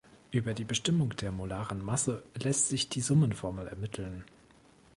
Über die Bestimmung der molaren Masse lässt sich die Summenformel ermitteln.